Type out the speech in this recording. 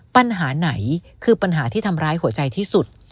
ปัญหาไหนคือปัญหาที่ทำร้ายหัวใจที่สุด